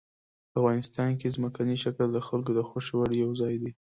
افغانستان کې ځمکنی شکل د خلکو د خوښې وړ یو ځای دی.